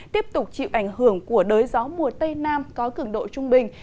tiếp tục chịu ảnh hưởng của đới gió mùa tây nam có cường độ trung bình